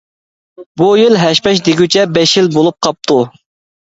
بۇ يىل ھەش-پەش دېگۈچە بەش يىل بولۇپ قاپتۇ.